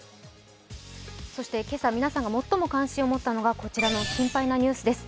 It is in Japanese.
そして今朝皆さんが最も関心を持ったのが、こちらの心配なニュースです。